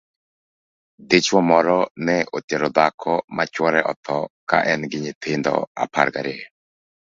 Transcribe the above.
Dichwo moro ne otero dhako ma chwore otho ka en gi nyithindo apar gariyo.